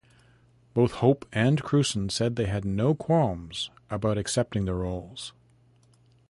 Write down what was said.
Both Hope and Crewson said they had no qualms about accepting the roles.